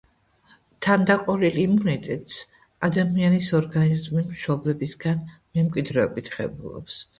თანდაყოლილ იმუნიტეტს ადამიანის ორგანიზმი მშობლებისგან მემკვიდრეობით ღებულობს.